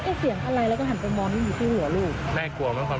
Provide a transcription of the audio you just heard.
แม่กลัวมั้ยความรู้สึกเรา